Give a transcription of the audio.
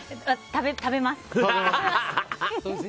食べます。